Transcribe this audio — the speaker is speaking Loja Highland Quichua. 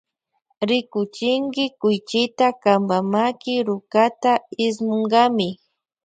Rikuchinki kuychita kampa maki rukata ismunkami.